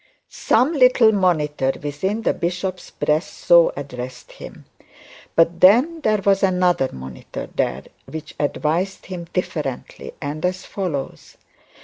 Some little monitor within the bishop's breast so addressed him. But then there was another monitor there which advised him differently, and as follows.